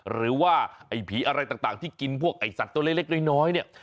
หรือว่าไอ้ผีอะไรต่างที่กินพวกไอ้สัตว์ตัวเล็กน้อยเนี่ย